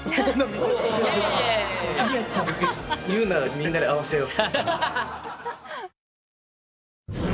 言うならみんなで合わせよう。